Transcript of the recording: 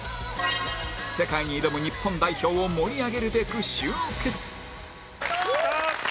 世界に挑む日本代表を盛り上げるべく集結